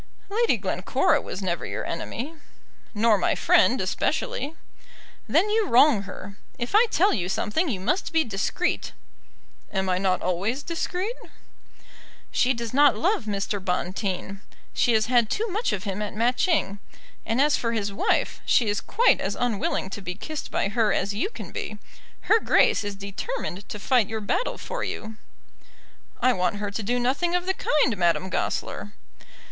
"Lady Glencora was never your enemy." "Nor my friend, especially." "Then you wrong her. If I tell you something you must be discreet." "Am I not always discreet?" "She does not love Mr. Bonteen. She has had too much of him at Matching. And as for his wife, she is quite as unwilling to be kissed by her as you can be. Her Grace is determined to fight your battle for you." "I want her to do nothing of the kind, Madame Goesler."